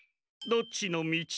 どっちのみち？